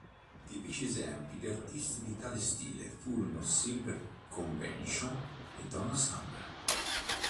Tipici esempi di artisti di tale stile furono: Silver Convention e Donna Summer.